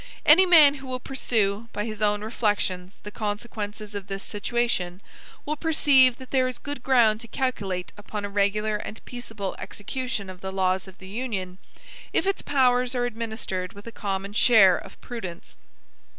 (1) Any man who will pursue, by his own reflections, the consequences of this situation, will perceive that there is good ground to calculate upon a regular and peaceable execution of the laws of the Union, if its powers are administered with a common share of prudence.